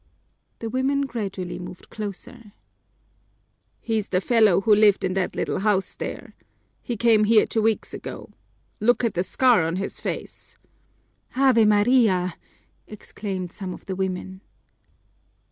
The women gradually moved closer. "He's the fellow who lived in that little house there. He came here two weeks ago. Look at the scar on his face." "Ave Maria!" exclaimed some of the women.